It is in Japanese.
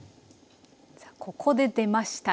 さあここで出ました